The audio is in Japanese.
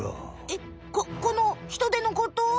えっここのヒトデのこと？